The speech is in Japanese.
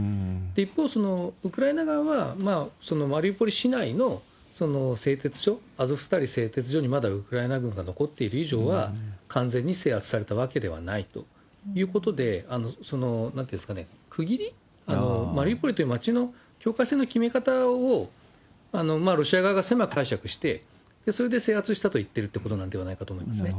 一方、ウクライナ側は、マリウポリ市内のその製鉄所、アゾフスタリ製鉄所にまだウクライナ軍が残っている以上は、完全に制圧されたわけではないということで、なんていうんですかね、区切り、マリウポリという町の境界線の決め方を、ロシア側が狭く解釈して、それで制圧したと言ってるということではないかと思いますね。